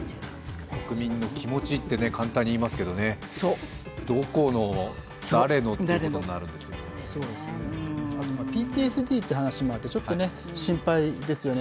国民の気持ちって簡単に言いますけどどこの誰のってことになるんですよね。ＰＴＳＤという話もあって、ちょっと心配ですよね。